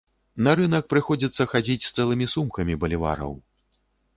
На рынак прыходзіцца хадзіць з цэлымі сумкамі балівараў.